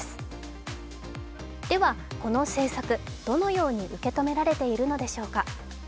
この政策、どのように受け止められているのでしょうか。